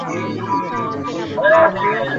এখন এই সমস্যা যেন কিছু সরল হইয়া আসিতেছে।